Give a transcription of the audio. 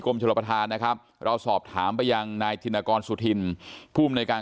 ชลประธานนะครับเราสอบถามไปยังนายธินกรสุธินภูมิในการ